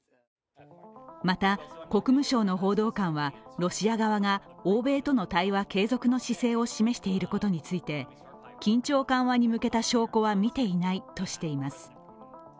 また、国務省の報道官はロシア側が欧米との対話継続の姿勢を示していることについて緊張緩和に向けた証拠は見ていないとしています。